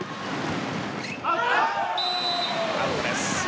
アウトです。